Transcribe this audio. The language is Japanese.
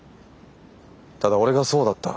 ただ俺がそうだった。